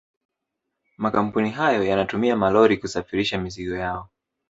Makampuni hayo yanatumia malori kusafirisha mizigo yao